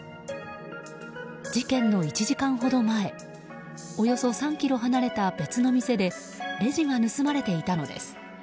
事件の１時間ほど前およそ３ｋｍ離れた別の店でレジが盗まれていたのです。